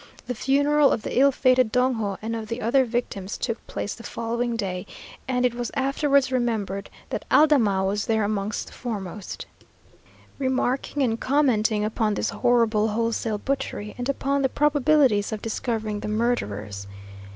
The funeral of the ill fated Dongo and of the other victims, took place the following day; and it was afterwards remembered that Aldama was there amongst the foremost, remarking and commenting upon this horrible wholesale butchery, and upon the probabilities of discovering the murderers.